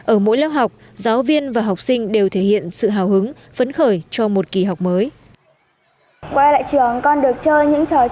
ở mỗi lớp học giáo viên và học sinh đều thể hiện sự hào hứng phấn khởi cho một kỳ học mới